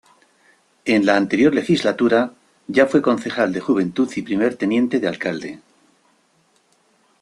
En la anterior legislatura ya fue concejal de juventud y Primer Teniente de alcalde.